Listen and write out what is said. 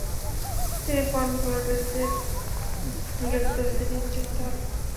তিনি ফন গ্লোডেনের গৃহস্থালিতে নিযুক্ত হন।